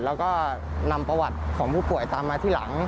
แล้วก็นำประวัติของผู้ป่วยตามมาที่หลัง